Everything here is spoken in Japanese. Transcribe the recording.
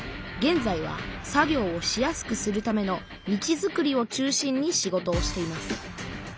げんざいは作業をしやすくするための道づくりを中心に仕事をしています。